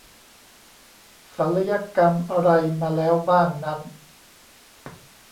ศัลยกรรมอะไรมาแล้วบ้างนั้น